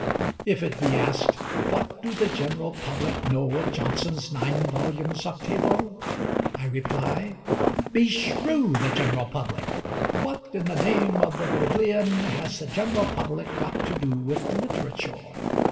If it be asked, What do the general public know of Johnson's nine volumes octavo? I reply, Beshrew the general public! What in the name of the Bodleian has the general public got to do with literature?